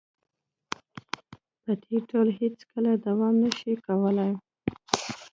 په دې ډول هیڅکله دوام نشي کولې